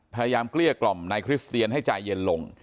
เกลี้ยกล่อมนายคริสเตียนให้ใจเย็นลง